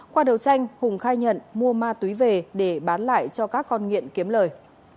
qua đầu tranh hùng khai nhận mua ma túy về để bán lại cho các con nghiện kiếm lời